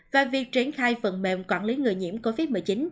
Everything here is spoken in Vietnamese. và việc triển khai phần mềm quản lý người nhiễm covid một mươi chín